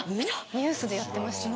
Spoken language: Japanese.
ニュースでやってました。